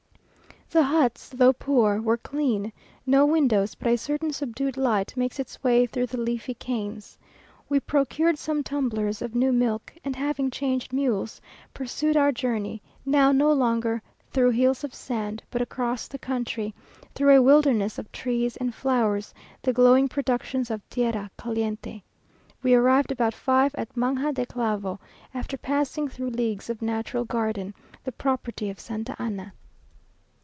The huts, though poor, were clean; no windows, but a certain subdued light makes its way through the leafy canes. We procured some tumblers of new milk, and having changed mules, pursued our journey, now no longer through hills of sand, but across the country, through a wilderness of trees and flowers, the glowing productions of tierra caliente. We arrived about five at Manga de Clavo, after passing through leagues of natural garden, the property of Santa Anna.